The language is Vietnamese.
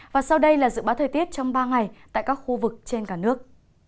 và sau đây là dự báo thời tiết trong ba ngày tại các khu vực trên cả nước